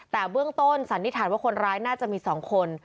แต่เบื้องต้นสันนิษฐานว่าคนร้ายน่าจะมี๒คน